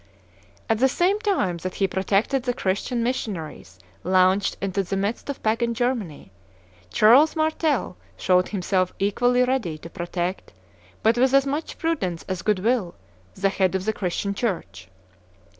At the same time that he protected the Christian missionaries launched into the midst of Pagan Germany, Charles Martel showed himself equally ready to protect, but with as much prudence as good will, the head of the Christian Church.